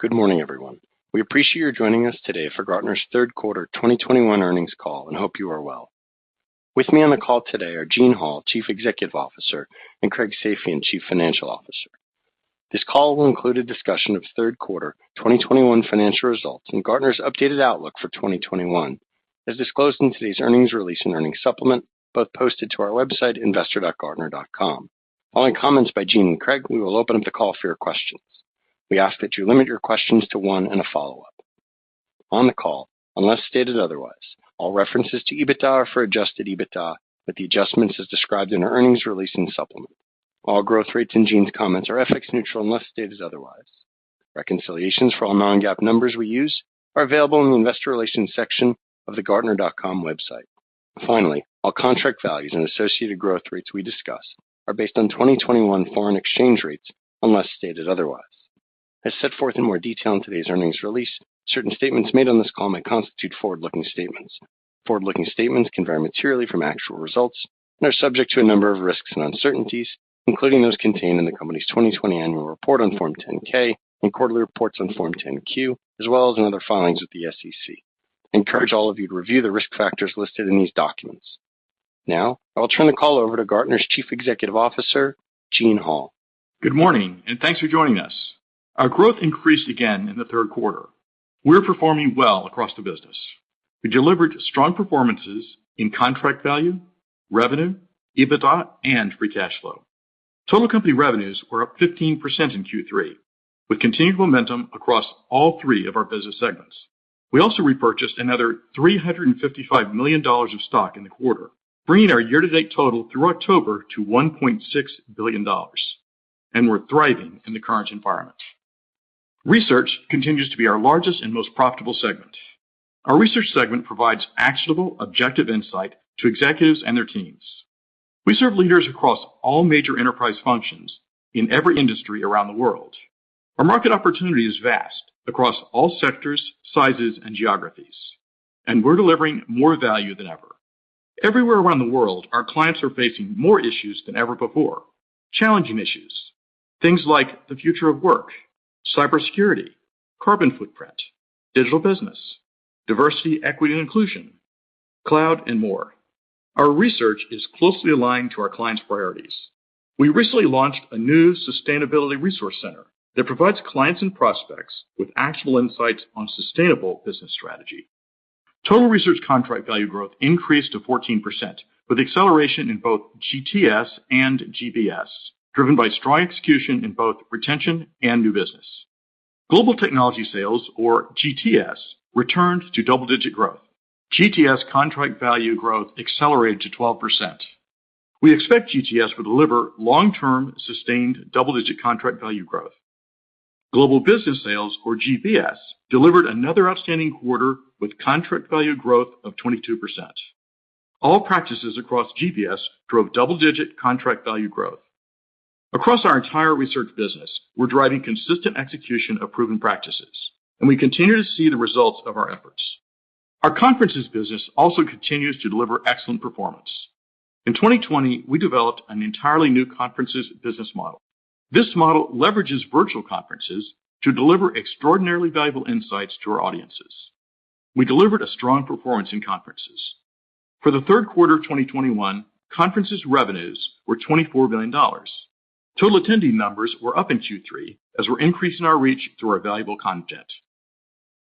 Good morning, everyone. We appreciate you joining us today for Gartner's third quarter 2021 earnings call and hope you are well. With me on the call today are Gene Hall, Chief Executive Officer, and Craig Safian, Chief Financial Officer. This call will include a discussion of third quarter 2021 financial results and Gartner's updated outlook for 2021, as disclosed in today's earnings release and earnings supplement, both posted to our website, investor.gartner.com. Following comments by Gene and Craig, we will open up the call for your questions. We ask that you limit your questions to one and a follow-up. On the call, unless stated otherwise, all references to EBITDA are for adjusted EBITDA, with the adjustments as described in the earnings release and supplement. All growth rates in Gene's comments are FX neutral unless stated otherwise. Reconciliations for all non-GAAP numbers we use are available in the investor relations section of the gartner.com website. Finally, all contract values and associated growth rates we discuss are based on 2021 foreign exchange rates, unless stated otherwise. As set forth in more detail in today's earnings release, certain statements made on this call may constitute forward-looking statements. Forward-looking statements can vary materially from actual results and are subject to a number of risks and uncertainties, including those contained in the company's 2020 annual report on Form 10-K and quarterly reports on Form 10-Q, as well as in other filings with the SEC. I encourage all of you to review the risk factors listed in these documents. Now, I will turn the call over to Gartner's Chief Executive Officer, Gene Hall. Good morning, and thanks for joining us. Our growth increased again in the third quarter. We're performing well across the business. We delivered strong performances in contract value, revenue, EBITDA and free cash flow. Total company revenues were up 15% in Q3, with continued momentum across all three of our business segments. We also repurchased another $355 million of stock in the quarter, bringing our year-to-date total through October to $1.6 billion. We're thriving in the current environment. Research continues to be our largest and most profitable segment. Our research segment provides actionable, objective insight to executives and their teams. We serve leaders across all major enterprise functions in every industry around the world. Our market opportunity is vast across all sectors, sizes and geographies, and we're delivering more value than ever. Everywhere around the world, our clients are facing more issues than ever before. Challenging issues. Things like the future of work, cybersecurity, carbon footprint, digital business, diversity, equity and inclusion, cloud and more. Our research is closely aligned to our clients' priorities. We recently launched a new sustainability resource center that provides clients and prospects with actionable insights on sustainable business strategy. Total research contract value growth increased to 14%, with acceleration in both GTS and GBS, driven by strong execution in both retention and new business. Global Technology Sales, or GTS, returned to double-digit growth. GTS contract value growth accelerated to 12%. We expect GTS will deliver long-term, sustained double-digit contract value growth. Global Business Sales, or GBS, delivered another outstanding quarter with contract value growth of 22%. All practices across GBS drove double-digit contract value growth. Across our entire research business, we're driving consistent execution of proven practices, and we continue to see the results of our efforts. Our conferences business also continues to deliver excellent performance. In 2020, we developed an entirely new conferences business model. This model leverages virtual conferences to deliver extraordinarily valuable insights to our audiences. We delivered a strong performance in conferences. For the third quarter of 2021, conferences revenues were $24 billion. Total attendee numbers were up in Q3 as we're increasing our reach through our valuable content.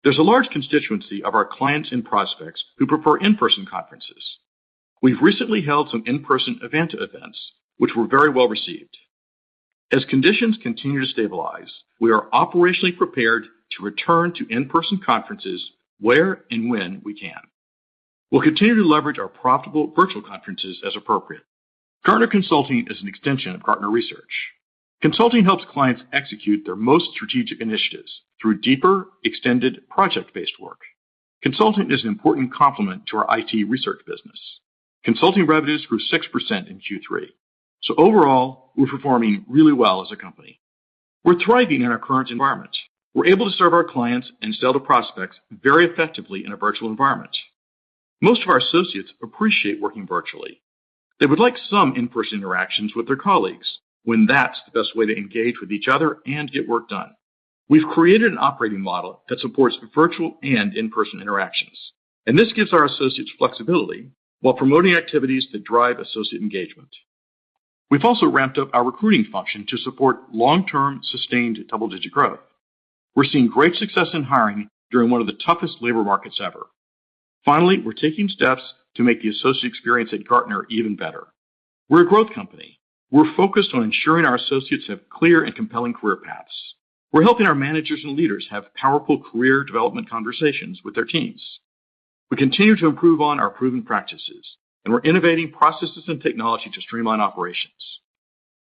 There's a large constituency of our clients and prospects who prefer in-person conferences. We've recently held some in-person events which were very well received. As conditions continue to stabilize, we are operationally prepared to return to in-person conferences where and when we can. We'll continue to leverage our profitable virtual conferences as appropriate. Gartner Consulting is an extension of Gartner Research. Consulting helps clients execute their most strategic initiatives through deeper, extended project-based work. Consulting is an important complement to our IT Research business. Consulting revenues grew 6% in Q3. Overall, we're performing really well as a company. We're thriving in our current environment. We're able to serve our clients and sell to prospects very effectively in a virtual environment. Most of our associates appreciate working virtually. They would like some in-person interactions with their colleagues when that's the best way to engage with each other and get work done. We've created an operating model that supports virtual and in-person interactions, and this gives our associates flexibility while promoting activities that drive associate engagement. We've also ramped up our recruiting function to support long-term, sustained double-digit growth. We're seeing great success in hiring during one of the toughest labor markets ever. Finally, we're taking steps to make the associate experience at Gartner even better. We're a growth company. We're focused on ensuring our associates have clear and compelling career paths. We're helping our managers and leaders have powerful career development conversations with their teams. We continue to improve on our proven practices, and we're innovating processes and technology to streamline operations.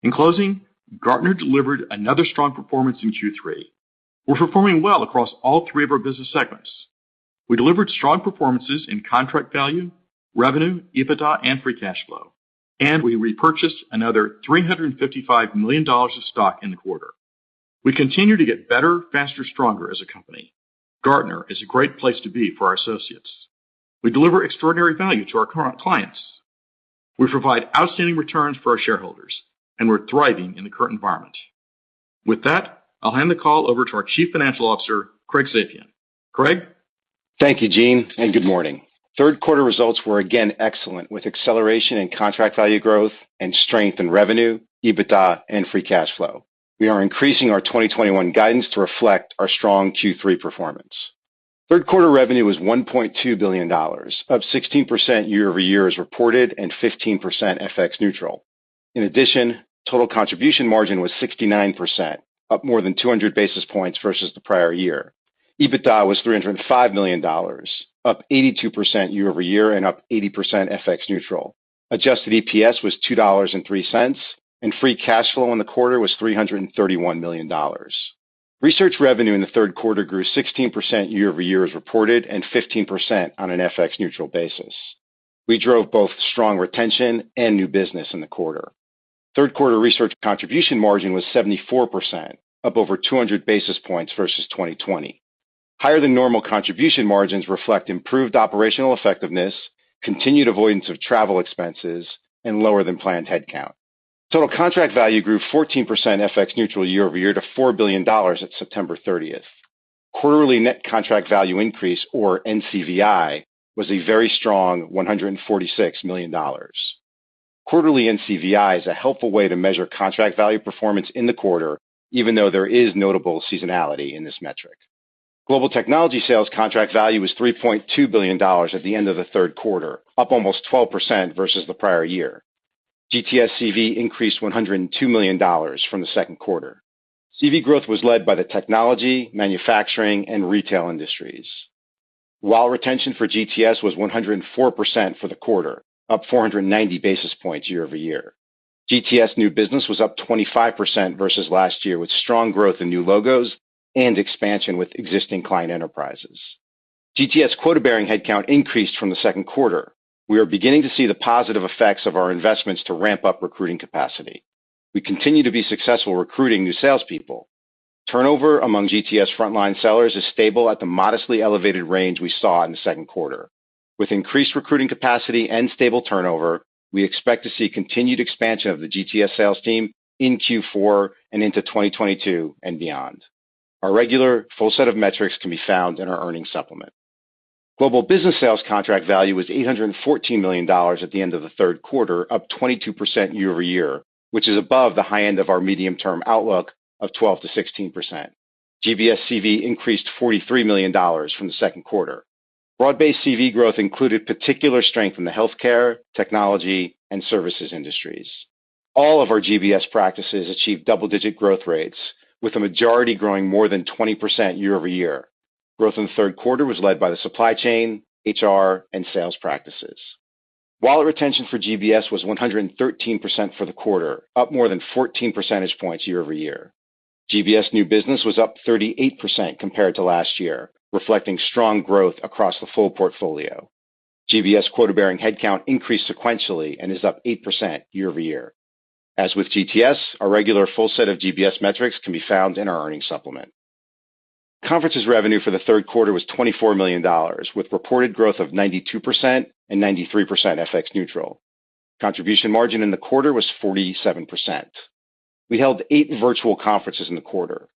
In closing, Gartner delivered another strong performance in Q3. We're performing well across all three of our business segments. We delivered strong performances in contract value, revenue, EBITDA and free cash flow. We repurchased another $355 million of stock in the quarter. We continue to get better, faster, stronger as a company. Gartner is a great place to be for our associates. We deliver extraordinary value to our current clients. We provide outstanding returns for our shareholders, and we're thriving in the current environment. With that, I'll hand the call over to our Chief Financial Officer, Craig Safian. Craig? Thank you, Gene, and good morning. Third quarter results were again excellent, with acceleration in contract value growth and strength in revenue, EBITDA, and free cash flow. We are increasing our 2021 guidance to reflect our strong Q3 performance. Third quarter revenue was $1.2 billion, up 16% year-over-year as reported, and 15% FX neutral. In addition, total contribution margin was 69%, up more than 200 basis points versus the prior year. EBITDA was $305 million, up 82% year-over-year and up 80% FX neutral. Adjusted EPS was $2.03, and free cash flow in the quarter was $331 million. Research revenue in the third quarter grew 16% year-over-year as reported, and 15% on an FX neutral basis. We drove both strong retention and new business in the quarter. Third quarter research contribution margin was 74%, up over 200 basis points versus 2020. Higher than normal contribution margins reflect improved operational effectiveness, continued avoidance of travel expenses, and lower than planned head count. Total contract value grew 14% FX neutral year-over-year to $4 billion at September 30. Quarterly net contract value increase, or NCVI, was a very strong $146 million. Quarterly NCVI is a helpful way to measure contract value performance in the quarter, even though there is notable seasonality in this metric. Global Technology Sales contract value was $3.2 billion at the end of the third quarter, up almost 12% versus the prior year. GTSCV increased $102 million from the second quarter. CV growth was led by the technology, manufacturing, and retail industries, while retention for GTS was 104% for the quarter, up 490 basis points year-over-year. GTS new business was up 25% versus last year, with strong growth in new logos and expansion with existing client enterprises. GTS quota-bearing head count increased from the second quarter. We are beginning to see the positive effects of our investments to ramp up recruiting capacity. We continue to be successful recruiting new salespeople. Turnover among GTS frontline sellers is stable at the modestly elevated range we saw in the second quarter. With increased recruiting capacity and stable turnover, we expect to see continued expansion of the GTS sales team in Q4 and into 2022 and beyond. Our regular full set of metrics can be found in our earnings supplement. Global Business Sales contract value was $814 million at the end of the third quarter, up 22% year-over-year, which is above the high end of our medium-term outlook of 12%-16%. GBS CV increased $43 million from the second quarter. Broad-based CV growth included particular strength in the healthcare, technology, and services industries. All of our GBS practices achieved double-digit growth rates, with the majority growing more than 20% year-over-year. Growth in the third quarter was led by the supply chain, HR, and sales practices, while retention for GBS was 113% for the quarter, up more than 14 percentage points year-over-year. GBS new business was up 38% compared to last year, reflecting strong growth across the full portfolio. GBS quota-bearing head count increased sequentially and is up 8% year-over-year. As with GTS, our regular full set of GBS metrics can be found in our earnings supplement. Conferences revenue for the third quarter was $24 million, with reported growth of 92% and 93% FX neutral. Contribution margin in the quarter was 47%. We held eight virtual conferences in the quarter.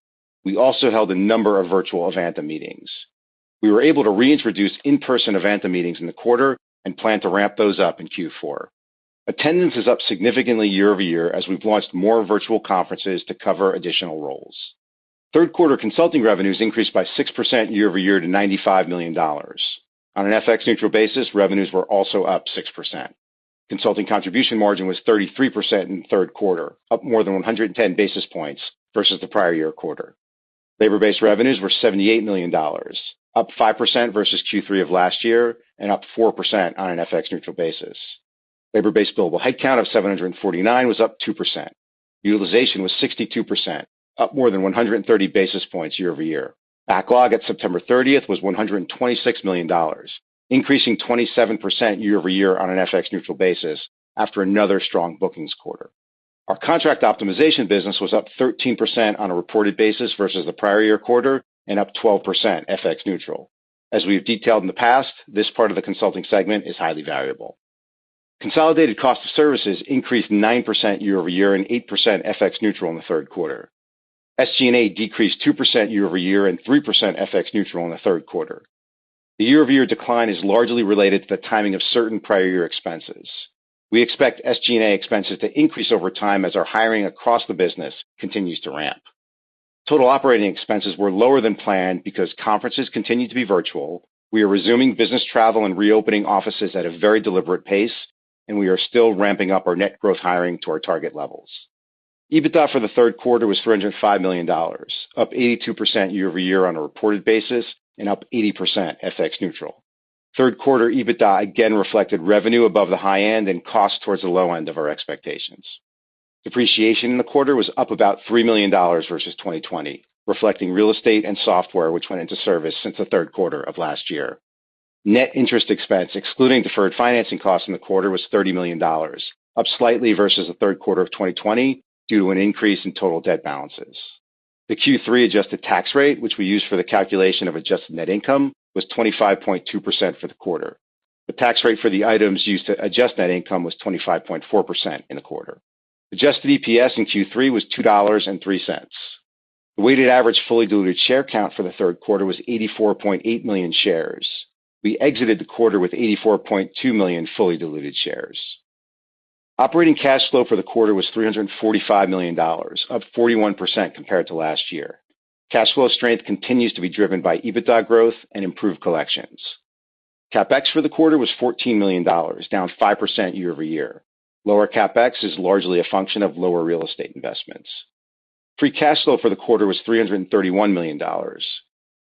We also held a number of virtual Evanta meetings. We were able to reintroduce in-person Evanta meetings in the quarter and plan to ramp those up in Q4. Attendance is up significantly year-over-year as we've launched more virtual conferences to cover additional roles. Third quarter consulting revenues increased by 6% year-over-year to $95 million. On an FX neutral basis, revenues were also up 6%. Consulting contribution margin was 33% in the third quarter, up more than 110 basis points versus the prior year quarter. Labor-based revenues were $78 million, up 5% versus Q3 of last year and up 4% on an FX neutral basis. Labor-based billable head count of 749 was up 2%. Utilization was 62%, up more than 130 basis points year-over-year. Backlog at September 30 was $126 million, increasing 27% year-over-year on an FX neutral basis after another strong bookings quarter. Our contract optimization business was up 13% on a reported basis versus the prior year quarter and up 12% FX neutral. As we have detailed in the past, this part of the consulting segment is highly valuable. Consolidated cost of services increased 9% year-over-year and 8% FX neutral in the third quarter. SG&A decreased 2% year-over-year and 3% FX neutral in the third quarter. The year-over-year decline is largely related to the timing of certain prior year expenses. We expect SG&A expenses to increase over time as our hiring across the business continues to ramp. Total operating expenses were lower than planned because conferences continued to be virtual. We are resuming business travel and reopening offices at a very deliberate pace, and we are still ramping up our net growth hiring to our target levels. EBITDA for the third quarter was $305 million, up 82% year-over-year on a reported basis and up 80% FX neutral. Third quarter EBITDA again reflected revenue above the high end and cost towards the low end of our expectations. Depreciation in the quarter was up about $3 million versus 2020, reflecting real estate and software which went into service since the third quarter of last year. Net interest expense, excluding deferred financing costs in the quarter, was $30 million, up slightly versus the third quarter of 2020 due to an increase in total debt balances. The Q3 adjusted tax rate, which we use for the calculation of adjusted net income, was 25.2% for the quarter. The tax rate for the items used to adjust net income was 25.4% in the quarter. Adjusted EPS in Q3 was $2.03. The weighted average fully diluted share count for the third quarter was 84.8 million shares. We exited the quarter with 84.2 million fully diluted shares. Operating cash flow for the quarter was $345 million, up 41% compared to last year. Cash flow strength continues to be driven by EBITDA growth and improved collections. CapEx for the quarter was $14 million, down 5% year-over-year. Lower CapEx is largely a function of lower real estate investments. Free cash flow for the quarter was $331 million.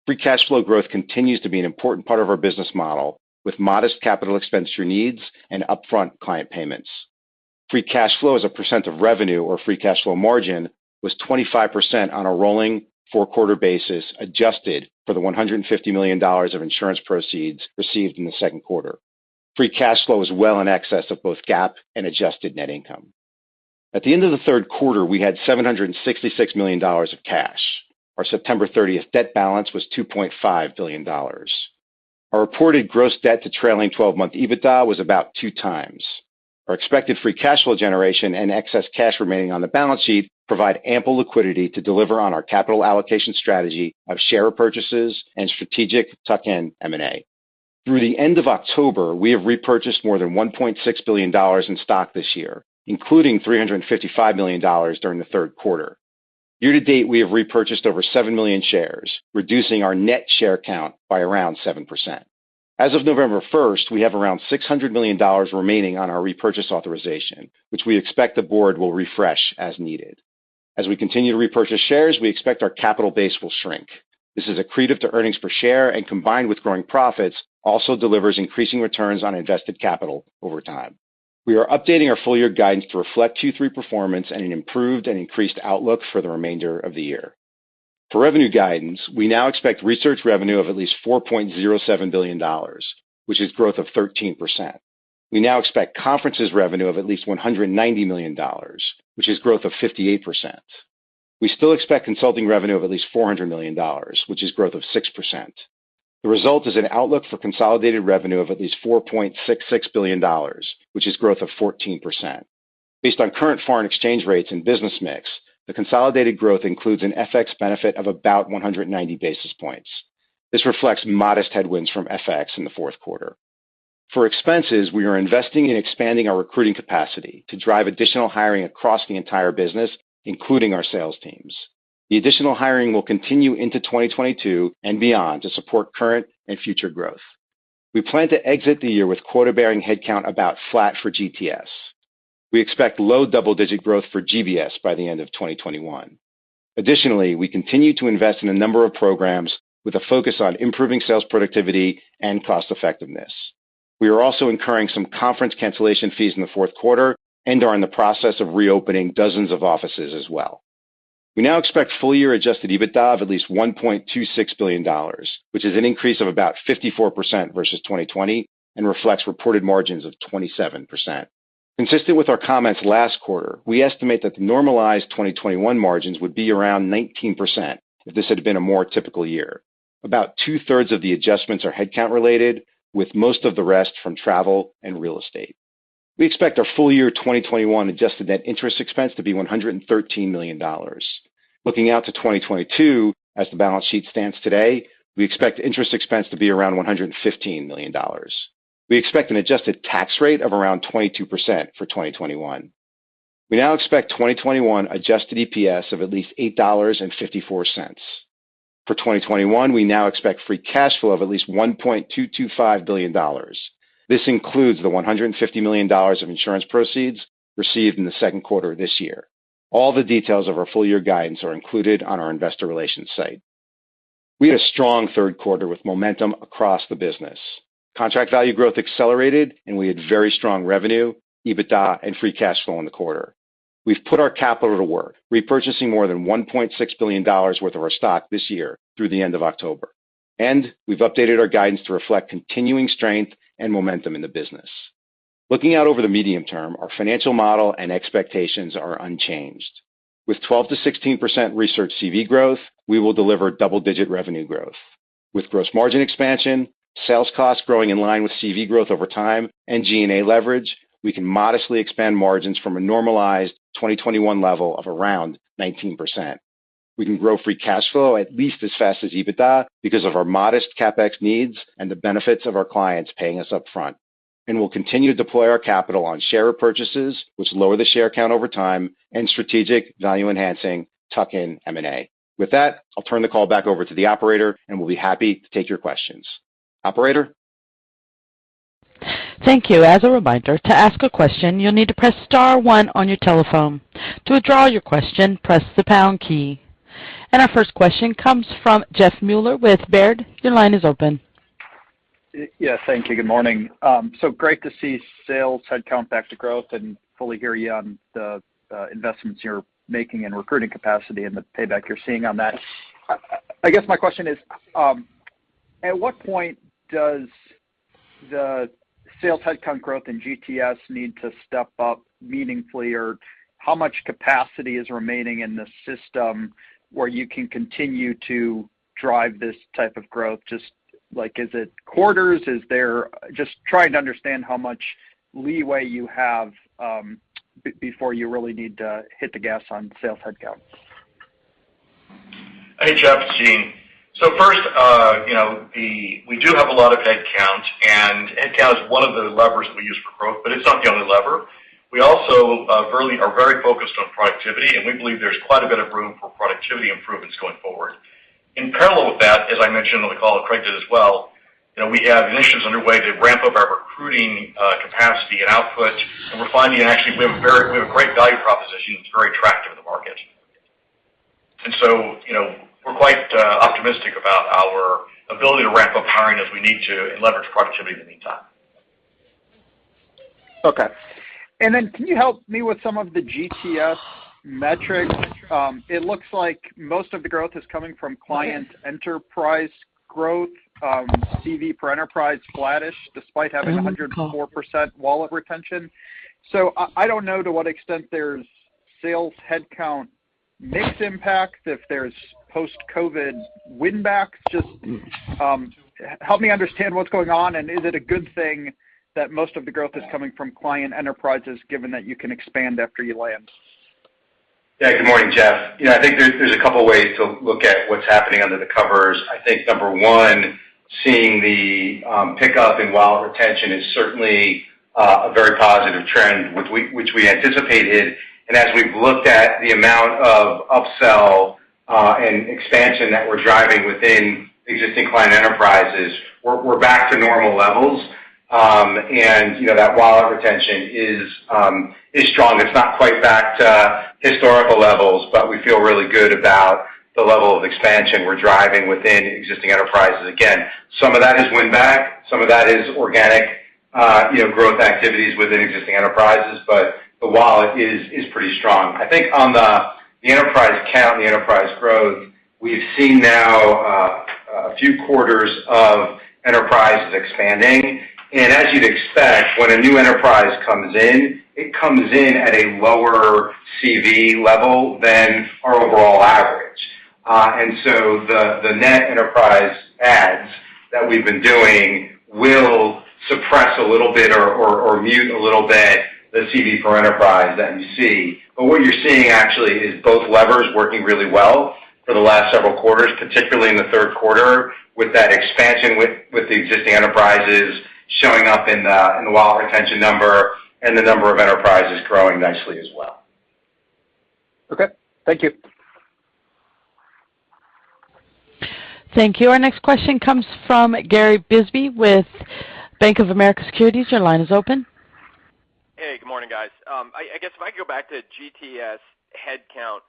Free cash flow growth continues to be an important part of our business model, with modest capital expenditure needs and upfront client payments. Free cash flow as a percent of revenue or free cash flow margin was 25% on a rolling four-quarter basis, adjusted for the $150 million of insurance proceeds received in the second quarter. Free cash flow was well in excess of both GAAP and adjusted net income. At the end of the third quarter, we had $766 million of cash. Our September 30 debt balance was $2.5 billion. Our reported gross debt to trailing twelve-month EBITDA was about 2x. Our expected free cash flow generation and excess cash remaining on the balance sheet provide ample liquidity to deliver on our capital allocation strategy of share purchases and strategic tuck-in M&A. Through the end of October, we have repurchased more than $1.6 billion in stock this year, including $355 million during the third quarter. Year-to-date, we have repurchased over 7 million shares, reducing our net share count by around 7%. As of November 1st, we have around $600 million remaining on our repurchase authorization, which we expect the board will refresh as needed. As we continue to repurchase shares, we expect our capital base will shrink. This is accretive to earnings per share and combined with growing profits, also delivers increasing returns on invested capital over time. We are updating our full year guidance to reflect Q3 performance and an improved and increased outlook for the remainder of the year. For revenue guidance, we now expect research revenue of at least $4.07 billion, which is growth of 13%. We now expect conferences revenue of at least $190 million, which is growth of 58%. We still expect consulting revenue of at least $400 million, which is growth of 6%. The result is an outlook for consolidated revenue of at least $4.66 billion, which is growth of 14%. Based on current foreign exchange rates and business mix, the consolidated growth includes an FX benefit of about 190 basis points. This reflects modest headwinds from FX in the fourth quarter. For expenses, we are investing in expanding our recruiting capacity to drive additional hiring across the entire business, including our sales teams. The additional hiring will continue into 2022 and beyond to support current and future growth. We plan to exit the year with quota-bearing headcount about flat for GTS. We expect low double-digit growth for GBS by the end of 2021. Additionally, we continue to invest in a number of programs with a focus on improving sales productivity and cost effectiveness. We are also incurring some conference cancellation fees in the fourth quarter and are in the process of reopening dozens of offices as well. We now expect full year adjusted EBITDA of at least $1.26 billion, which is an increase of about 54% versus 2020 and reflects reported margins of 27%. Consistent with our comments last quarter, we estimate that the normalized 2021 margins would be around 19% if this had been a more typical year. About two-thirds of the adjustments are headcount related, with most of the rest from travel and real estate. We expect our full year 2021 adjusted net interest expense to be $113 million. Looking out to 2022, as the balance sheet stands today, we expect interest expense to be around $115 million. We expect an adjusted tax rate of around 22% for 2021. We now expect 2021 adjusted EPS of at least $8.54. For 2021, we now expect free cash flow of at least $1.225 billion. This includes the $150 million of insurance proceeds received in the second quarter of this year. All the details of our full year guidance are included on our investor relations site. We had a strong third quarter with momentum across the business. Contract value growth accelerated and we had very strong revenue, EBITDA, and free cash flow in the quarter. We've put our capital to work, repurchasing more than $1.6 billion worth of our stock this year through the end of October. We've updated our guidance to reflect continuing strength and momentum in the business. Looking out over the medium term, our financial model and expectations are unchanged. With 12%-16% research CV growth, we will deliver double-digit revenue growth. With gross margin expansion, sales costs growing in line with CV growth over time, and G&A leverage, we can modestly expand margins from a normalized 2021 level of around 19%. We can grow free cash flow at least as fast as EBITDA because of our modest CapEx needs and the benefits of our clients paying us up front. We'll continue to deploy our capital on share purchases, which lower the share count over time, and strategic value-enhancing tuck-in M&A. With that, I'll turn the call back over to the operator, and we'll be happy to take your questions. Operator? Thank you. As a reminder, to ask a question, you'll need to press star one on your telephone. To withdraw your question, press the pound key. Our first question comes from Jeffrey Meuler with Baird. Your line is open. Yes, thank you. Good morning. Great to see sales headcount back to growth and fully hear you on the investments you're making in recruiting capacity and the payback you're seeing on that. I guess my question is, at what point does the sales headcount growth in GTS need to step up meaningfully? Or how much capacity is remaining in the system where you can continue to drive this type of growth? Just like, is it quarters? Just trying to understand how much leeway you have, before you really need to hit the gas on sales headcount. Hey, Jeff, it's Gene. First, you know, we do have a lot of headcount, and headcount is one of the levers we use for growth, but it's not the only lever. We also really are very focused on productivity, and we believe there's quite a bit of room for productivity improvements going forward. In parallel with that, as I mentioned on the call, Craig did as well, you know, we have initiatives underway to ramp up our recruiting capacity and output. We're finding actually we have a great value proposition that's very attractive in the market. You know, we're quite optimistic about our ability to ramp up hiring as we need to and leverage productivity in the meantime. Okay. Can you help me with some of the GTS metrics? It looks like most of the growth is coming from client enterprise growth, CV for enterprise flattish despite having 104% wallet retention. I don't know to what extent there's sales headcount mix impact, if there's post-COVID win back. Help me understand what's going on, and is it a good thing that most of the growth is coming from client enterprises given that you can expand after you land? Yeah. Good morning, Jeff. You know, I think there's a couple ways to look at what's happening under the covers. I think number one, seeing the pickup in wallet retention is certainly a very positive trend, which we anticipated. As we've looked at the amount of upsell and expansion that we're driving within existing client enterprises, we're back to normal levels. You know, that wallet retention is strong. It's not quite back to historical levels, but we feel really good about the level of expansion we're driving within existing enterprises. Again, some of that is win back, some of that is organic, you know, growth activities within existing enterprises, but the wallet is pretty strong. I think on the enterprise count and the enterprise growth, we've seen now a few quarters of enterprises expanding. As you'd expect, when a new enterprise comes in, it comes in at a lower CV level than our overall average. The net enterprise adds that we've been doing will suppress a little bit or mute a little bit the CV for enterprise that you see. But what you're seeing actually is both levers working really well for the last several quarters, particularly in the third quarter, with that expansion with the existing enterprises showing up in the wallet retention number and the number of enterprises growing nicely as well. Okay. Thank you. Thank you. Our next question comes from Gary Bisbee with Bank of America Securities. Your line is open. Hey, good morning, guys. I guess if I could go back to GTS headcount,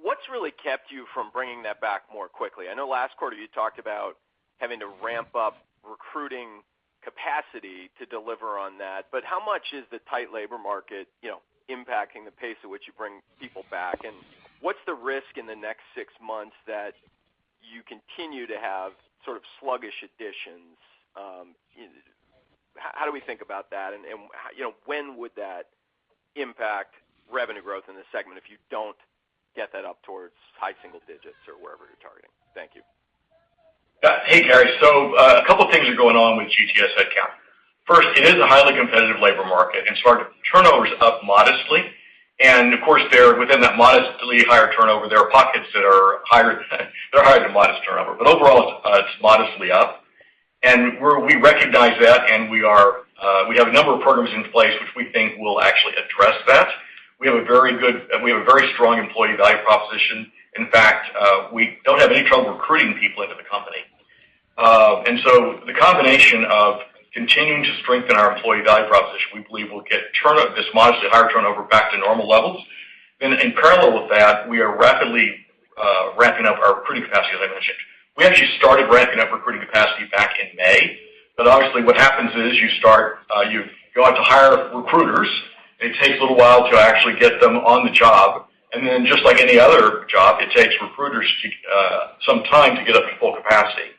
what's really kept you from bringing that back more quickly? I know last quarter you talked about having to ramp up recruiting capacity to deliver on that, but how much is the tight labor market, you know, impacting the pace at which you bring people back? And what's the risk in the next six months that you continue to have sort of sluggish additions? How do we think about that? And, you know, when would that impact revenue growth in this segment if you don't get that up towards high single digits or wherever you're targeting? Thank you. Hey, Gary. A couple things are going on with GTS headcount. First, it is a highly competitive labor market, and our turnover is up modestly. Of course, within that modestly higher turnover, there are pockets that are higher than that. They're higher than modest turnover. Overall, it's modestly up. We recognize that, and we have a number of programs in place which we think will actually address that. We have a very strong employee value proposition. In fact, we don't have any trouble recruiting people into the company. The combination of continuing to strengthen our employee value proposition, we believe will get this modestly higher turnover back to normal levels. In parallel with that, we are rapidly ramping up our recruiting capacity as I mentioned. We actually started ramping up recruiting capacity back in May. Obviously, what happens is you go out to hire recruiters. It takes a little while to actually get them on the job. Just like any other job, it takes recruiters some time to get up to full capacity.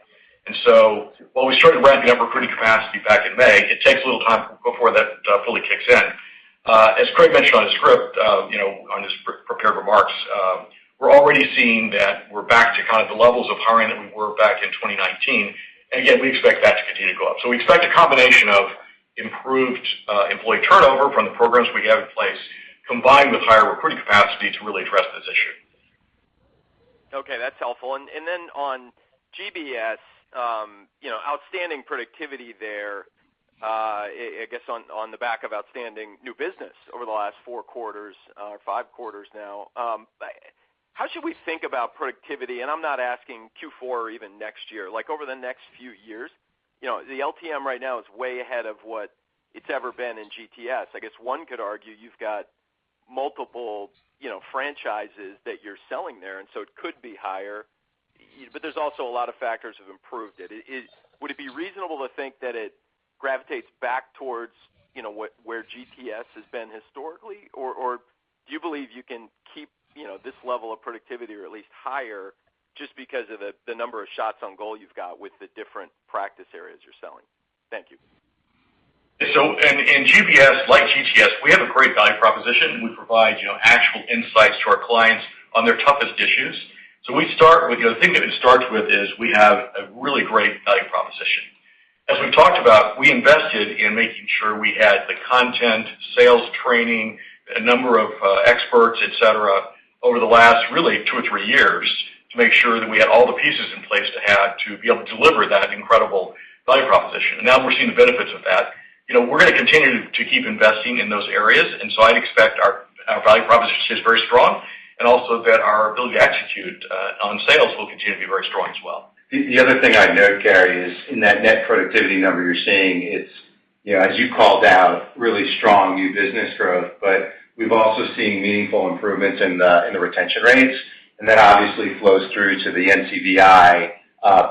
While we started ramping up recruiting capacity back in May, it takes a little time before that fully kicks in. As Craig mentioned on his script, you know, on his prepared remarks, we're already seeing that we're back to kind of the levels of hiring that we were back in 2019, and again, we expect that to continue to go up. We expect a combination of improved employee turnover from the programs we have in place, combined with higher recruiting capacity to really address this issue. Okay, that's helpful. Then on GBS, you know, outstanding productivity there. I guess on the back of outstanding new business over the last four quarters, five quarters now. How should we think about productivity? I'm not asking Q4 or even next year, like, over the next few years. You know, the LTM right now is way ahead of what it's ever been in GTS. I guess one could argue you've got multiple, you know, franchises that you're selling there, and so it could be higher, but there's also a lot of factors have improved it. Would it be reasonable to think that it gravitates back towards, you know, where GTS has been historically? Do you believe you can keep, you know, this level of productivity or at least higher just because of the number of shots on goal you've got with the different practice areas you're selling? Thank you. In GBS, like GTS, we have a great value proposition. We provide, you know, actual insights to our clients on their toughest issues. We start with you know, the thing that it starts with is we have a really great value proposition. As we've talked about, we invested in making sure we had the content, sales training, a number of, experts, et cetera, over the last really two or three years to make sure that we had all the pieces in place to have to be able to deliver that incredible value proposition. Now we're seeing the benefits of that. You know, we're gonna continue to keep investing in those areas, and so I'd expect our value proposition stays very strong and also that our ability to execute on sales will continue to be very strong as well. The other thing I'd note, Gary, is in that net productivity number you're seeing is, you know, as you called out, really strong new business growth, but we've also seen meaningful improvements in the retention rates, and that obviously flows through to the NCVI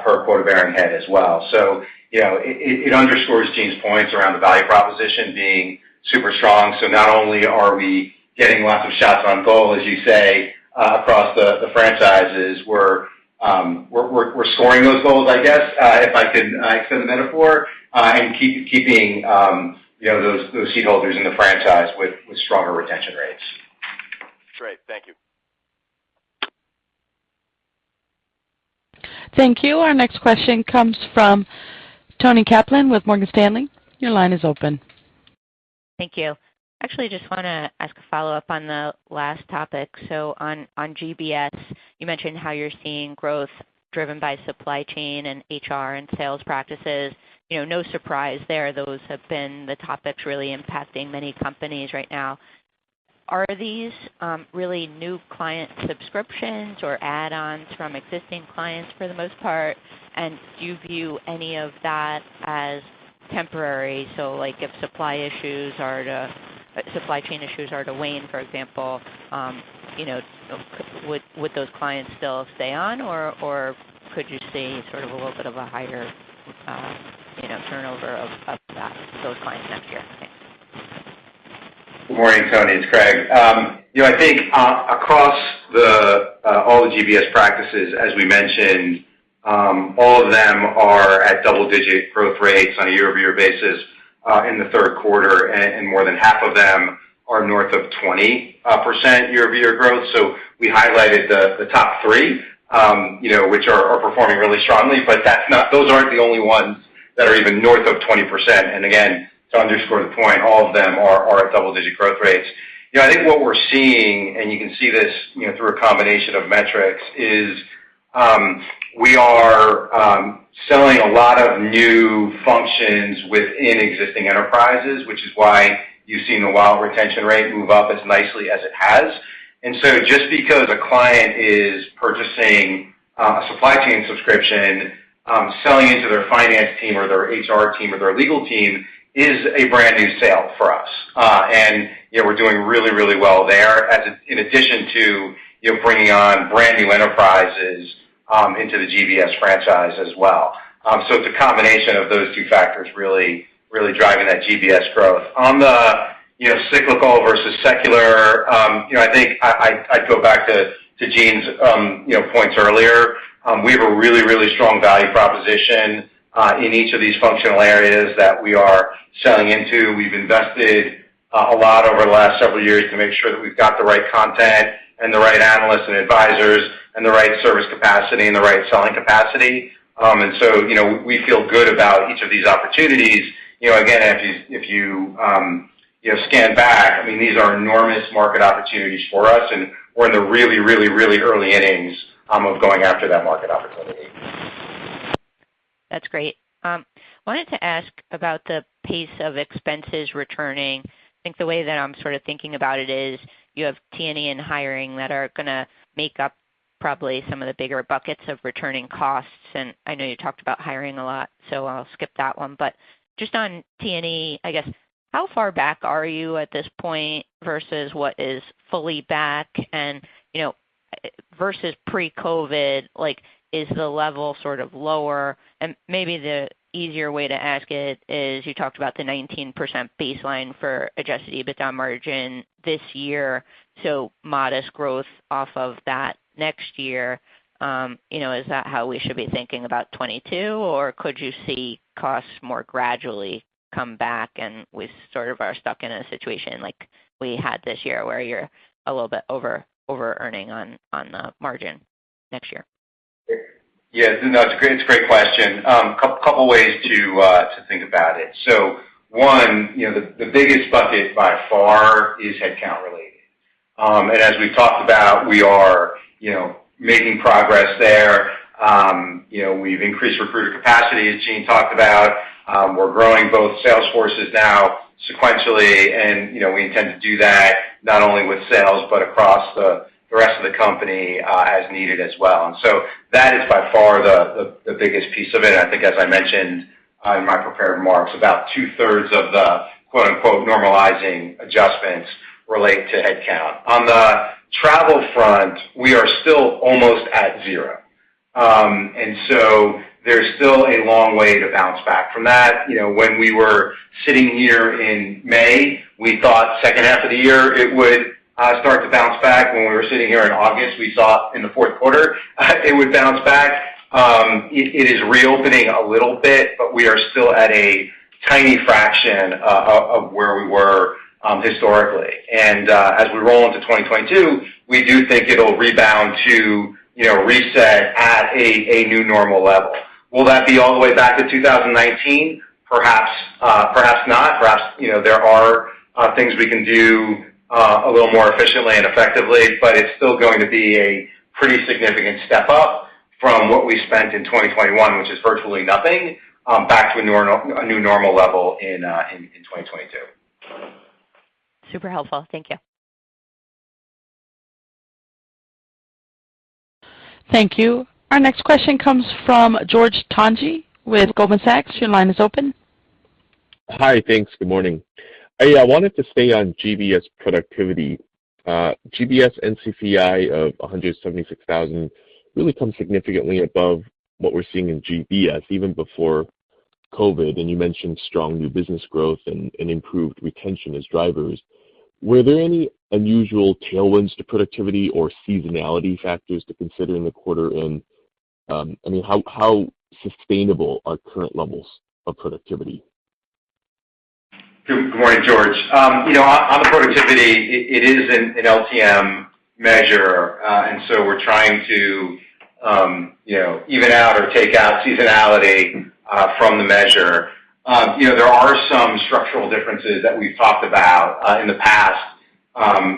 per quarter per rep head as well. So, you know, it underscores Gene's points around the value proposition being super strong. So not only are we getting lots of shots on goal, as you say, across the franchises, we're scoring those goals, I guess, if I can extend the metaphor, and keeping, you know, those seat holders in the franchise with stronger retention rates. Great. Thank you. Thank you. Our next question comes from Toni Kaplan with Morgan Stanley. Your line is open. Thank you. Actually, just wanna ask a follow-up on the last topic. On GBS, you mentioned how you're seeing growth driven by supply chain and HR and sales practices. You know, no surprise there. Those have been the topics really impacting many companies right now. Are these really new client subscriptions or add-ons from existing clients for the most part? And do you view any of that as temporary? Like, if supply chain issues are to wane, for example, you know, would those clients still stay on, or could you see sort of a little bit of a higher, you know, turnover of those clients next year? Thanks. Good morning, Toni. It's Craig. You know, I think across all the GBS practices, as we mentioned, all of them are at double-digit growth rates on a year-over-year basis in the third quarter, and more than half of them are north of 20% year-over-year growth. So we highlighted the top three, you know, which are performing really strongly, but those aren't the only ones that are even north of 20%. Again, to underscore the point, all of them are at double-digit growth rates. You know, I think what we're seeing, and you can see this, you know, through a combination of metrics, is we are selling a lot of new functions within existing enterprises, which is why you've seen the wallet retention rate move up as nicely as it has. Just because a client is purchasing a supply chain subscription, selling into their finance team or their HR team or their legal team is a brand new sale for us. You know, we're doing really well there as in addition to, you know, bringing on brand new enterprises into the GBS franchise as well. It's a combination of those two factors really driving that GBS growth. On the, you know, cyclical versus secular, you know, I think I'd go back to Gene's, you know, points earlier. We have a really strong value proposition in each of these functional areas that we are selling into. We've invested a lot over the last several years to make sure that we've got the right content and the right analysts and advisors and the right service capacity and the right selling capacity. You know, we feel good about each of these opportunities. You know, again, if you you know, scan back, I mean, these are enormous market opportunities for us, and we're in the really early innings of going after that market opportunity. That's great. I wanted to ask about the pace of expenses returning. I think the way that I'm sort of thinking about it is you have T&E and hiring that are gonna make up probably some of the bigger buckets of returning costs. I know you talked about hiring a lot, so I'll skip that one. Just on T&E, I guess, how far back are you at this point versus what is fully back and, you know, versus pre-COVID, like, is the level sort of lower? Maybe the easier way to ask it is, you talked about the 19% baseline for adjusted EBITDA margin this year, so modest growth off of that next year. You know, is that how we should be thinking about 2022, or could you see costs more gradually come back and we sort of are stuck in a situation like we had this year where you're a little bit overearning on the margin next year? Yeah. No, it's a great question. A couple ways to think about it. One, you know, the biggest bucket by far is headcount related. As we've talked about, we are, you know, making progress there. You know, we've increased recruiter capacity, as Gene talked about. We're growing both sales forces now sequentially, and, you know, we intend to do that not only with sales, but across the rest of the company, as needed as well. That is by far the biggest piece of it. I think as I mentioned in my prepared remarks, about two-thirds of the quote-unquote normalizing adjustments relate to headcount. On the travel front, we are still almost at zero. There's still a long way to bounce back from that. You know, when we were sitting here in May, we thought second half of the year it would start to bounce back. When we were sitting here in August, we saw in the fourth quarter, it would bounce back. It is reopening a little bit, but we are still at a tiny fraction of where we were historically. As we roll into 2022, we do think it'll rebound to, you know, reset at a new normal level. Will that be all the way back to 2019? Perhaps, perhaps not. Perhaps, you know, there are things we can do a little more efficiently and effectively, but it's still going to be a pretty significant step up from what we spent in 2021, which is virtually nothing, back to a new normal level in 2022. Super helpful. Thank you. Thank you. Our next question comes from George Tong with Goldman Sachs. Your line is open. Hi. Thanks. Good morning. I wanted to stay on GBS productivity. GBS NCVI of 176,000 really comes significantly above what we're seeing in GBS even before COVID, and you mentioned strong new business growth and improved retention as drivers. Were there any unusual tailwinds to productivity or seasonality factors to consider in the quarter? I mean, how sustainable are current levels of productivity? Good morning, George. You know, on the productivity, it is an LTM measure. We're trying to, you know, even out or take out seasonality from the measure. You know, there are some structural differences that we've talked about in the past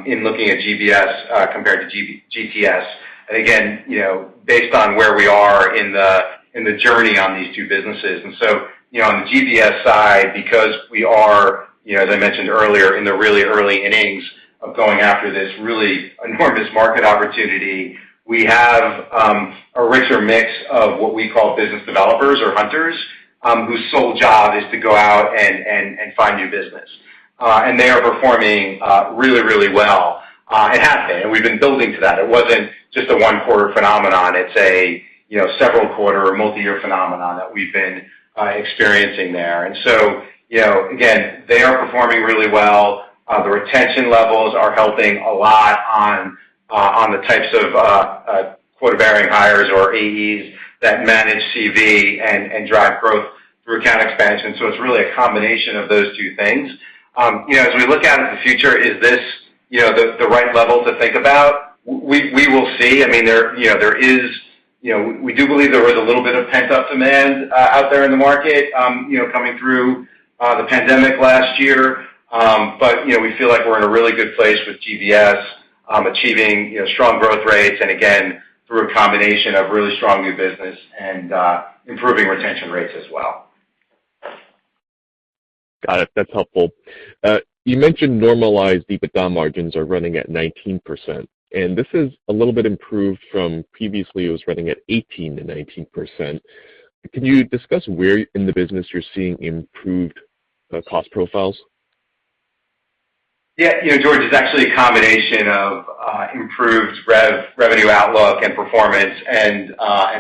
in looking at GBS compared to GTS. Again, you know, based on where we are in the journey on these two businesses. You know, on the GBS side, because we are, you know, as I mentioned earlier, in the really early innings of going after this really enormous market opportunity, we have a richer mix of what we call business developers or hunters whose sole job is to go out and find new business. They are performing really, really well. It has been, and we've been building to that. It wasn't just a one-quarter phenomenon. It's a you know several quarters or multi-year phenomenon that we've been experiencing there. You know, again, they are performing really well. The retention levels are helping a lot on the types of quota-bearing hires or AEs that manage CV and drive growth through account expansion. It's really a combination of those two things. You know, as we look out into the future, is this you know the right level to think about? We will see. I mean, you know there is. You know, we do believe there was a little bit of pent-up demand out there in the market, you know, coming through the pandemic last year. You know, we feel like we're in a really good place with GBS, achieving strong growth rates, and again, through a combination of really strong new business and improving retention rates as well. Got it. That's helpful. You mentioned normalized EBITDA margins are running at 19%, and this is a little bit improved from previously it was running at 18%-19%. Can you discuss where in the business you're seeing improved cost profiles? Yeah. You know, George, it's actually a combination of improved revenue outlook and performance and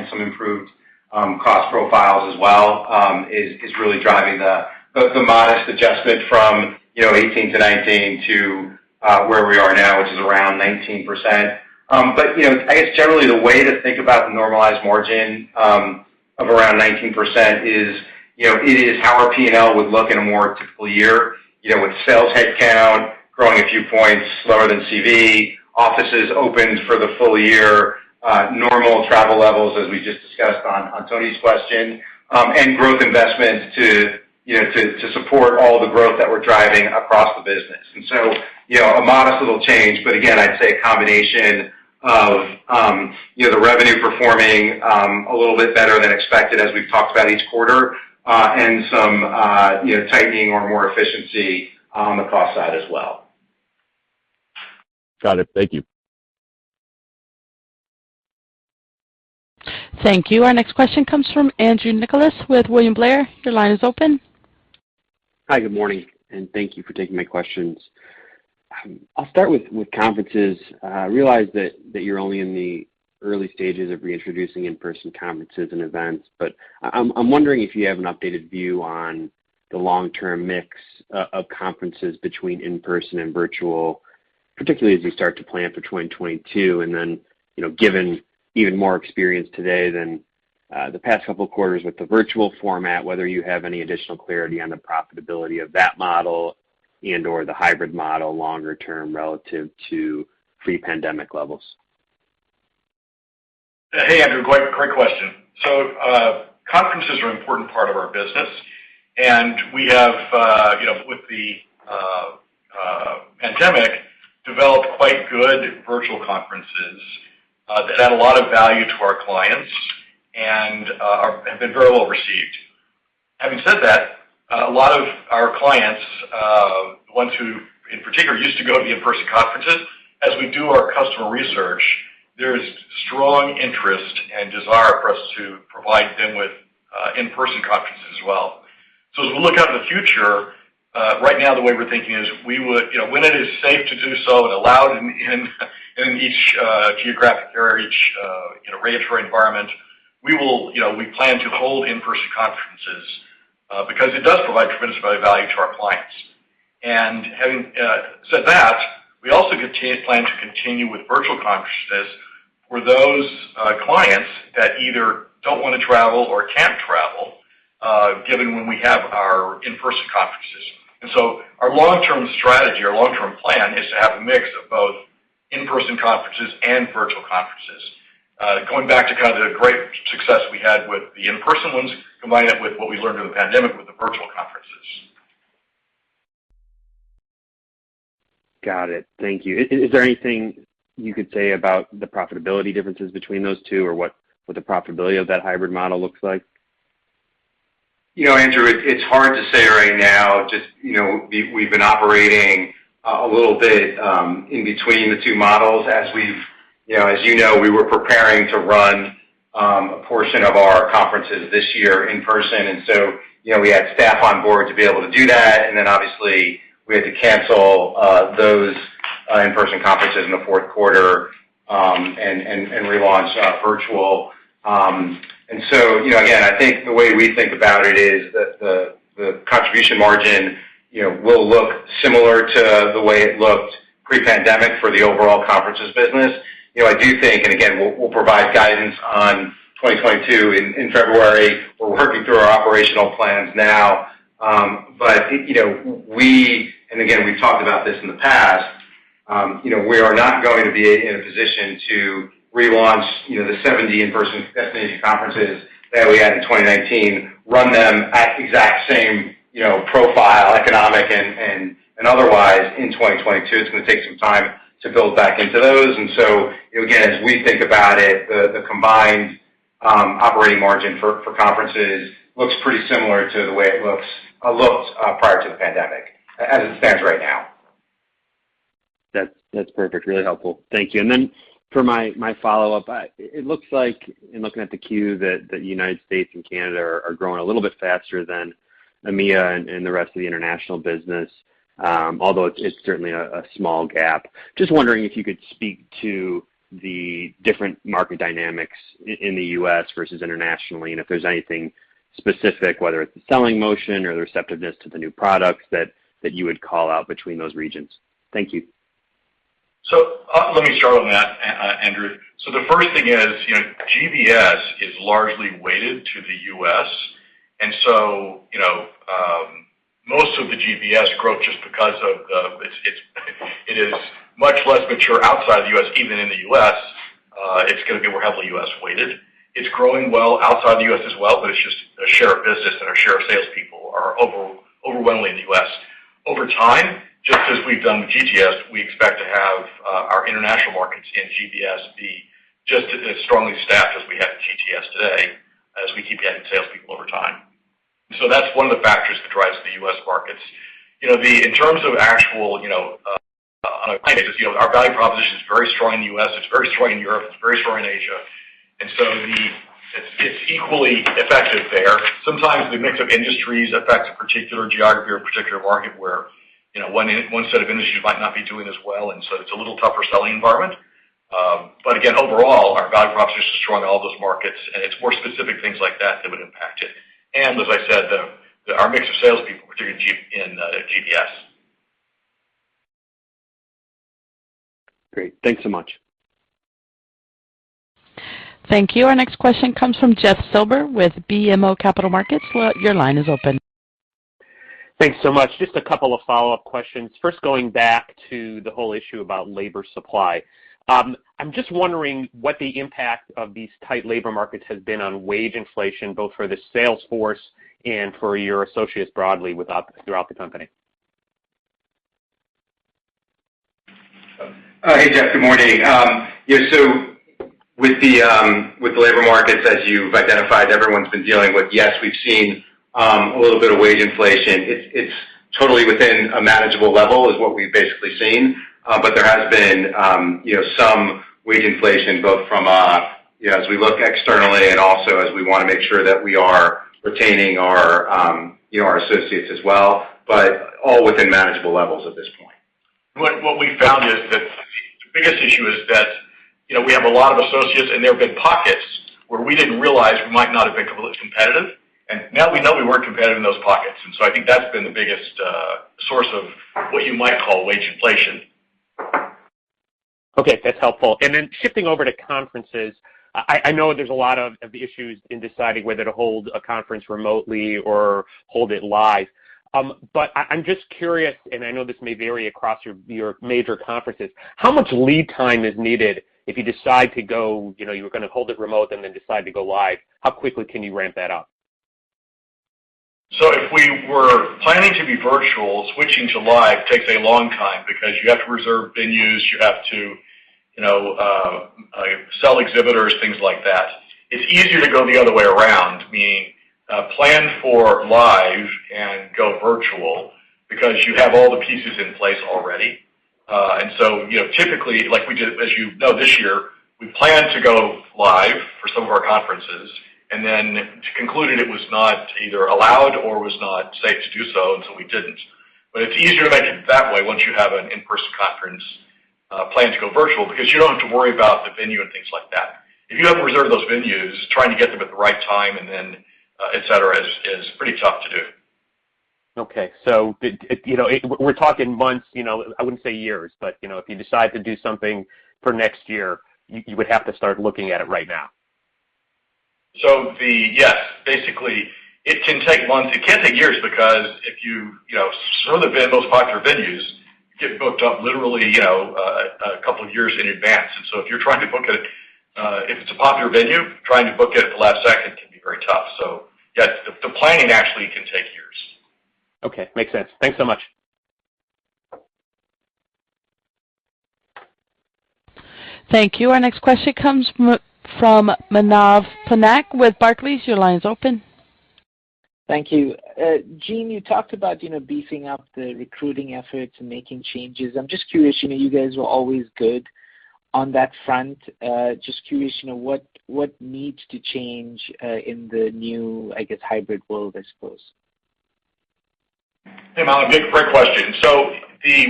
some improved cost profiles as well is really driving the modest adjustment from 18% to 19% to where we are now, which is around 19%. You know, I guess generally the way to think about the normalized margin of around 19% is it is how our P&L would look in a more typical year, you know, with sales headcount growing a few points slower than CV, offices opened for the full year, normal travel levels as we just discussed on Tony's question, and growth investment to support all the growth that we're driving across the business. You know, a modest little change, but again, I'd say a combination of, you know, the revenue performing, a little bit better than expected as we've talked about each quarter, and some, you know, tightening or more efficiency on the cost side as well. Got it. Thank you. Thank you. Our next question comes from Andrew Nicholas with William Blair. Your line is open. Hi. Good morning, and thank you for taking my questions. I'll start with conferences. I realize that you're only in the early stages of reintroducing in-person conferences and events, but I'm wondering if you have an updated view on the long-term mix of conferences between in-person and virtual, particularly as we start to plan for 2022, and then, you know, given even more experience today than the past couple of quarters with the virtual format, whether you have any additional clarity on the profitability of that model and/or the hybrid model longer term relative to pre-pandemic levels. Hey, Andrew. Great question. Conferences are an important part of our business, and we have, you know, with the pandemic, developed quite good virtual conferences that add a lot of value to our clients and have been very well-received. Having said that, a lot of our clients, ones who in particular used to go to the in-person conferences, as we do our customer research, there is strong interest and desire for us to provide them with in-person conferences as well. As we look out in the future, right now, the way we're thinking is we would, you know, when it is safe to do so and allowed in each geographic area, you know, each regulatory environment, we plan to hold in-person conferences because it does provide tremendous value to our clients. Having said that, we also plan to continue with virtual conferences for those clients that either don't wanna travel or can't travel, given when we have our in-person conferences. Our long-term strategy, our long-term plan is to have a mix of both in-person conferences and virtual conferences. Going back to kind of the great success we had with the in-person ones, combining it with what we learned in the pandemic with the virtual conferences. Got it. Thank you. Is there anything you could say about the profitability differences between those two or what the profitability of that hybrid model looks like? You know, Andrew, it's hard to say right now. Just, you know, we've been operating a little bit in between the two models. As you know, we were preparing to run a portion of our conferences this year in person. You know, we had staff on board to be able to do that. Obviously we had to cancel those in-person conferences in the fourth quarter and relaunch virtual. You know, again, I think the way we think about it is the contribution margin, you know, will look similar to the way it looked pre-pandemic for the overall conferences business. You know, I do think, and again, we'll provide guidance on 2022 in February. We're working through our operational plans now. You know, we and again, we've talked about this in the past. You know, we are not going to be in a position to relaunch, you know, the 70 in-person destination conferences that we had in 2019, run them at exact same, you know, profile, economic and otherwise in 2022. It's gonna take some time to build back into those. You know, again, as we think about it, the combined operating margin for conferences looks pretty similar to the way it looked prior to the pandemic as it stands right now. That's perfect. Really helpful. Thank you. For my follow-up. It looks like in looking at the queue that the United States and Canada are growing a little bit faster than EMEA and the rest of the international business, although it's certainly a small gap. Just wondering if you could speak to the different market dynamics in the U.S. versus internationally and if there's anything specific, whether it's the selling motion or the receptiveness to the new products that you would call out between those regions. Thank you. Let me start on that, Andrew. The first thing is, you know, GBS is largely weighted to the U.S. You know, most of the GBS growth, just because of it is much less mature outside the U.S. Even in the U.S., it's gonna be more heavily U.S. weighted. It's growing well outside the U.S. as well, but it's just a share of business and our share of salespeople are overwhelmingly in the U.S. Over time, just as we've done with GTS, we expect to have our international markets in GBS be just as strongly staffed as we have GTS today as we keep adding salespeople over time. That's one of the factors that drives the U.S. markets. You know, in terms of actual, you know, on a plan basis, you know, our value proposition is very strong in the U.S., it's very strong in Europe, it's very strong in Asia. It's equally effective there. Sometimes the mix of industries affects a particular geography or particular market where, you know, one set of industries might not be doing as well, and so it's a little tougher selling environment. Again, overall our value proposition is strong in all those markets, and it's more specific things like that that would impact it. Our mix of salespeople, particularly in GBS. Great. Thanks so much. Thank you. Our next question comes from Jeff Silber with BMO Capital Markets. Your line is open. Thanks so much. Just a couple of follow-up questions. First, going back to the whole issue about labor supply. I'm just wondering what the impact of these tight labor markets has been on wage inflation, both for the sales force and for your associates broadly throughout the company? Hey, Jeff. Good morning. With the labor markets, as you've identified everyone's been dealing with, yes, we've seen a little bit of wage inflation. It's totally within a manageable level is what we've basically seen. There has been, you know, some wage inflation both from a, you know, as we look externally and also as we wanna make sure that we are retaining our, you know, our associates as well, but all within manageable levels at this point. What we found is that the biggest issue is that, you know, we have a lot of associates, and there have been pockets where we didn't realize we might not have been competitive, and now we know we weren't competitive in those pockets. I think that's been the biggest source of what you might call wage inflation. Okay, that's helpful. Shifting over to conferences, I know there's a lot of issues in deciding whether to hold a conference remotely or hold it live. I'm just curious, and I know this may vary across your major conferences, how much lead time is needed if you decide to go, you know, you were gonna hold it remote and then decide to go live? How quickly can you ramp that up? If we were planning to be virtual, switching to live takes a long time because you have to reserve venues, you have to, you know, sell exhibitors, things like that. It's easier to go the other way around, meaning, plan for live and go virtual because you have all the pieces in place already. You know, typically, like we did, as you know this year, we plan to go live for some of our conferences, and then to conclude that it was not either allowed or was not safe to do so, and so we didn't. It's easier to make it that way once you have an in-person conference plan to go virtual because you don't have to worry about the venue and things like that. If you have to reserve those venues, trying to get them at the right time and then et cetera is pretty tough to do. Okay. You know, we're talking months, you know. I wouldn't say years, but, you know, if you decide to do something for next year, you would have to start looking at it right now. Yes. Basically, it can take months. It can take years because if you know, some of the most popular venues get booked up literally, you know, a couple of years in advance. If you're trying to book it, if it's a popular venue, trying to book it at the last second can be very tough. Yes, the planning actually can take years. Okay. Makes sense. Thanks so much. Thank you. Our next question comes from Manav Patnaik with Barclays. Your line is open. Thank you. Gene, you talked about, you know, beefing up the recruiting efforts and making changes. I'm just curious, you know, you guys were always good on that front. Just curious, you know, what needs to change in the new, I guess, hybrid world, I suppose. Hey, Manav. Great question.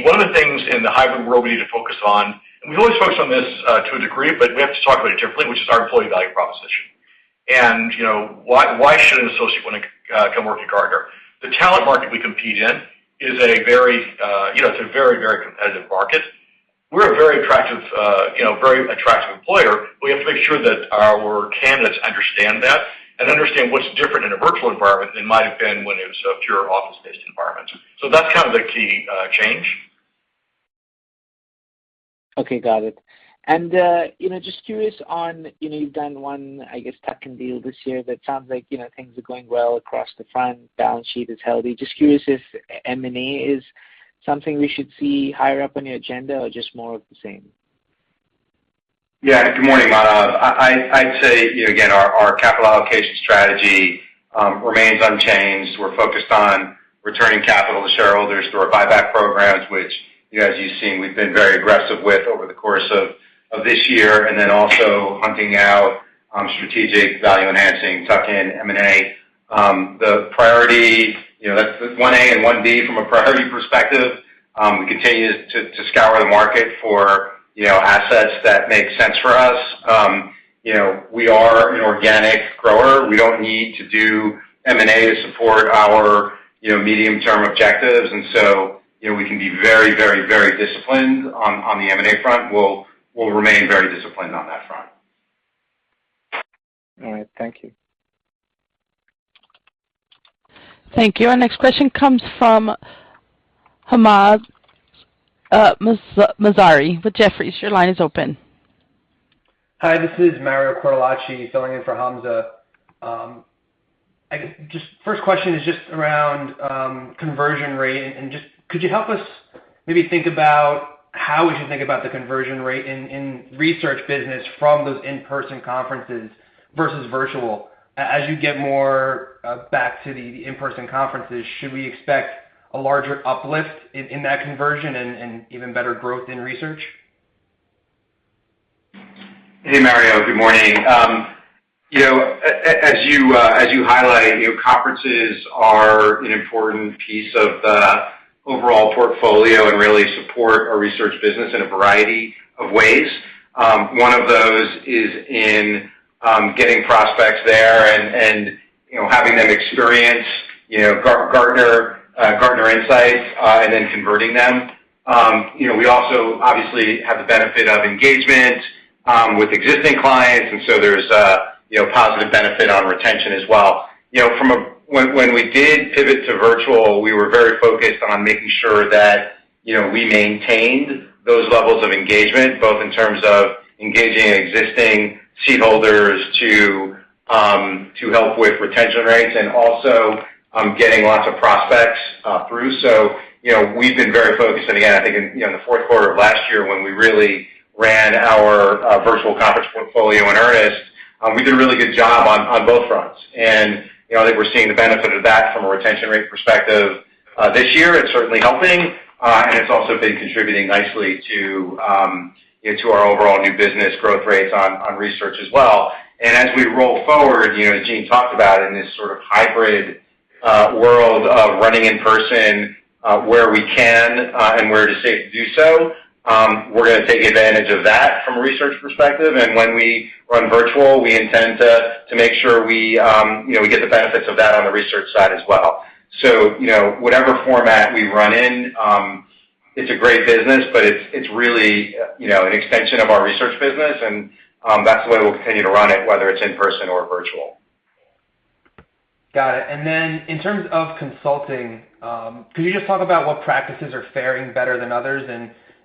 One of the things in the hybrid world we need to focus on, and we've always focused on this to a degree, but we have to talk about it differently, which is our employee value proposition. You know, why should an associate wanna come work at Gartner? The talent market we compete in is a very competitive market. We're a very attractive employer. We have to make sure that our candidates understand that and understand what's different in a virtual environment than might have been when it was a pure office-based environment. That's kind of the key change. Okay. Got it. You know, just curious on, you know, you've done one, I guess, tuck-in deal this year that sounds like, you know, things are going well across the front, balance sheet is healthy. Just curious if M&A is something we should see higher up on your agenda or just more of the same? Yeah. Good morning, Manav. I'd say, you know, again, our capital allocation strategy remains unchanged. We're focused on returning capital to shareholders through our buyback programs, which, you know, as you've seen, we've been very aggressive with over the course of this year, and then also hunting out strategic value-enhancing tuck-in M&A. The priority, you know, that's one A and one B from a priority perspective. We continue to scour the market for, you know, assets that make sense for us. You know, we are an organic grower. We don't need to do M&A to support our, you know, medium-term objectives. You know, we can be very disciplined on the M&A front. We'll remain very disciplined on that front. All right. Thank you. Thank you. Our next question comes from Hamzah Mazari with Jefferies. Your line is open. Hi, this is Mario Cortellacci filling in for Hamzah. I guess just first question is just around conversion rate. Just could you help us maybe think about how would you think about the conversion rate in research business from those in-person conferences versus virtual? As you get more back to the in-person conferences, should we expect a larger uplift in that conversion and even better growth in research? Hey, Mario. Good morning. You know, as you highlight, you know, conferences are an important piece of the overall portfolio and really support our research business in a variety of ways. One of those is in getting prospects there and having them experience, you know, Gartner insights and then converting them. You know, we also obviously have the benefit of engagement with existing clients, and so there's a positive benefit on retention as well. You know, from when we did pivot to virtual, we were very focused on making sure that, you know, we maintained those levels of engagement, both in terms of engaging existing seat holders to help with retention rates and also getting lots of prospects through. You know, we've been very focused. Again, I think, you know, in the fourth quarter of last year when we really ran our virtual conference portfolio in earnest, we did a really good job on both fronts. You know, I think we're seeing the benefit of that from a retention rate perspective this year. It's certainly helping, and it's also been contributing nicely to, you know, to our overall new business growth rates on research as well. As we roll forward, you know, as Gene talked about in this sort of hybrid world of running in person where we can and where it is safe to do so, we're gonna take advantage of that from a research perspective. When we run virtual, we intend to make sure we, you know, we get the benefits of that on the research side as well. You know, whatever format we run in, it's a great business, but it's really, you know, an extension of our research business, and that's the way we'll continue to run it, whether it's in person or virtual. Got it. In terms of consulting, could you just talk about what practices are faring better than others?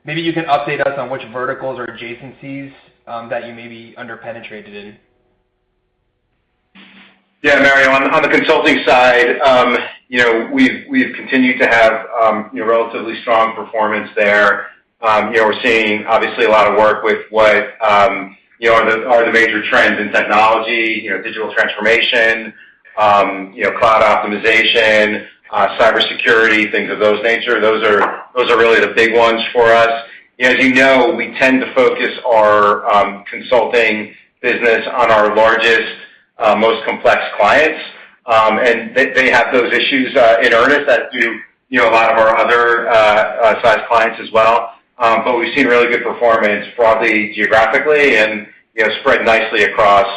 Maybe you can update us on which verticals or adjacencies that you may be under-penetrated in? Yeah, Mario. On the consulting side, you know, we've continued to have, you know, relatively strong performance there. You know, we're seeing obviously a lot of work with what, you know, are the major trends in technology, you know, digital transformation, you know, cloud optimization, cybersecurity, things of that nature. Those are really the big ones for us. You know, as you know, we tend to focus our consulting business on our largest, most complex clients. They have those issues in earnest too, you know, a lot of our other size clients as well. We've seen really good performance broadly, geographically and, you know, spread nicely across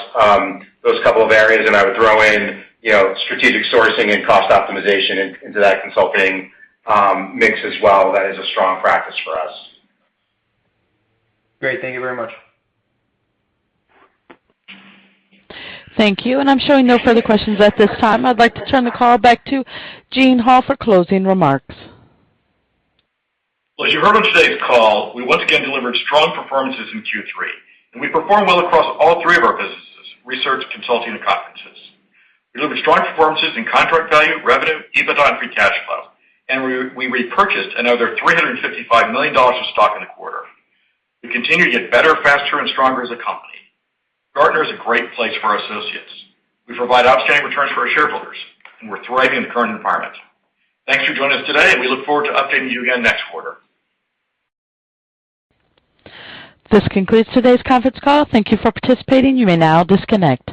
those couple of areas. I would throw in, you know, strategic sourcing and cost optimization into that consulting mix as well. That is a strong practice for us. Great. Thank you very much. Thank you. I'm showing no further questions at this time. I'd like to turn the call back to Gene Hall for closing remarks. Well, as you heard on today's call, we once again delivered strong performances in Q3, and we performed well across all three of our businesses, research, consulting, and conferences. We delivered strong performances in contract value, revenue, EBITDA, and free cash flow, and we repurchased another $355 million of stock in the quarter. We continue to get better, faster, and stronger as a company. Gartner is a great place for our associates. We provide outstanding returns for our shareholders, and we're thriving in the current environment. Thanks for joining us today, and we look forward to updating you again next quarter. This concludes today's conference call. Thank you for participating. You may now disconnect.